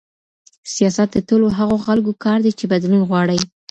سياست د ټولو هغو خلګو کار دی چي بدلون غواړي.